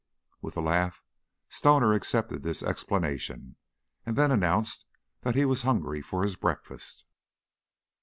With a laugh Stoner accepted this explanation, and then announced that he was hungry for his breakfast.